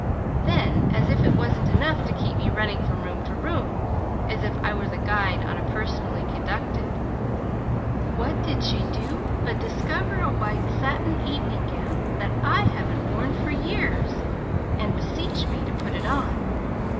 "Then, as if it wasn't enough to keep me running from room to room (as if I were the guide on a 'personally conducted'), what did she do but discover a white satin evening gown that I hadn't worn for years, and beseech me to put it on.